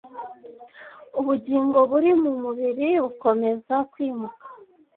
Ubugingo buri mu mubiri bukomeza kwimuka,